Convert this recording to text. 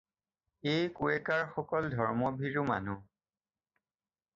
এই কুৱেকাৰসকল ধৰ্মভীৰু মানুহ।